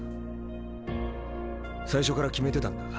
最初から決めてたんだ。